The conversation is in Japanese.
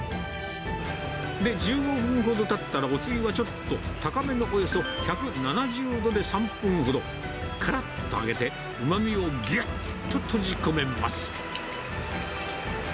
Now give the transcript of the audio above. で、１５分ほどたったら、お次はちょっと高めのおよそ１７０度で３分ほど、からっと揚げて、うまみをぎゅっと閉じ込めます。